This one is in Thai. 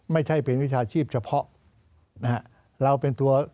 ไม่ใช่วิชาชีพเฉพาะ